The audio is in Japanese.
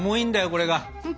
これが。